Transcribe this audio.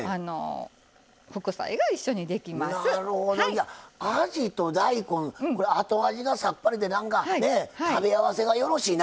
じゃああじと大根これ「後味」がさっぱりで何かね食べ合わせがよろしいな。